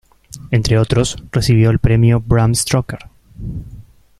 Entre otros, recibió el Premio Bram Stoker.